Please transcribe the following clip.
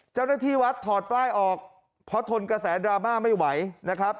เจ้าหน้าที่วัดถอดป้ายออกเพราะทนกระแสดราม่าไม่ไหวนะครับ